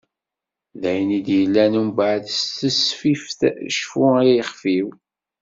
D ayen i d-yellan umbaɛd s tesfift "Cfu ay ixef-iw".